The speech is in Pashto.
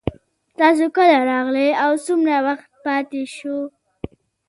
تاسو کله راغلئ او څومره وخت پاتې شوئ